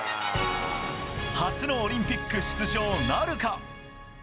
初のオリンピック出場なるか。